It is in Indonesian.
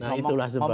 nah itulah sebabnya